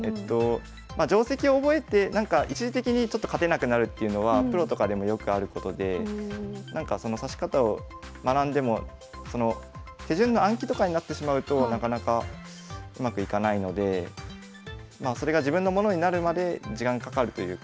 定跡を覚えて一時的に勝てなくなるっていうのはプロとかでもよくあることで指し方を学んでも手順の暗記とかになってしまうとなかなかうまくいかないのでまあそれが自分のものになるまで時間かかるというか。